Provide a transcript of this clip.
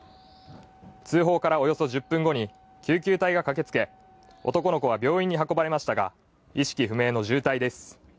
通報からおよそ１０分後に救急隊が駆けつけ、男の子は病院に運ばれましたが意識不明の重体です。